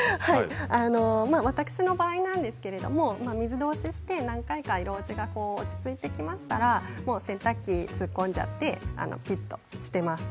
私の場合なんですけど水通しして何回か色落ちが落ち着いてきましたらもう洗濯機に突っ込んじゃってピっとしています。